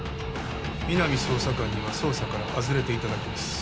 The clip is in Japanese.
皆実捜査官には捜査から外れていただきます